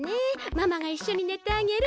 ママがいっしょにねてあげる。